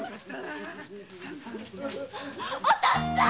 お父っつぁん！